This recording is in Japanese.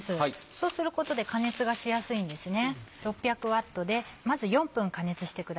そうすることで加熱がしやすいんですね。